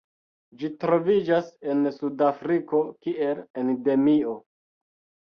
Ĝi troviĝas en Sudafriko kiel endemio.